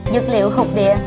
dược liệu hụt địa